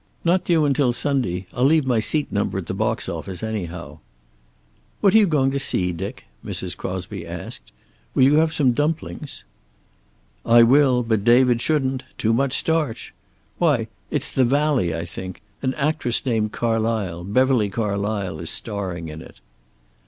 "Not due until Sunday. I'll leave my seat number at the box office, anyhow." "What are you going to see, Dick?" Mrs. Crosby asked. "Will you have some dumplings?" "I will, but David shouldn't. Too much starch. Why, it's 'The Valley,' I think. An actress named Carlysle, Beverly Carlysle, is starring in it."